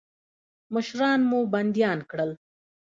مشران مو بندیان کړل.